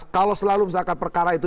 kalau selalu misalkan perkara itu